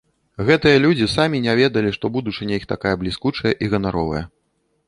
Гэтыя людзі самі не ведалі, што будучыня іх такая бліскучая і ганаровая.